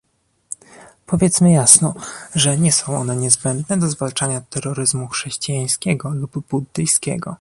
Powiedzmy jasno, że nie są one niezbędne do zwalczania terroryzmu chrześcijańskiego lub buddyjskiego